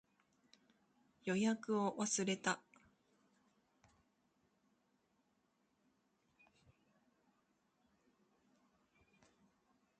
予約を忘れた